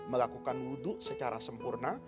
melakukan wudu secara sempurna